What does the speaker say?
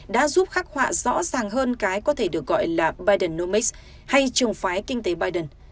đã giúp khắc họa rõ ràng hơn cái có thể được gọi là biden noix hay trường phái kinh tế biden